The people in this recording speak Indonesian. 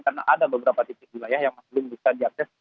karena ada beberapa titik wilayah yang masih belum bisa diakses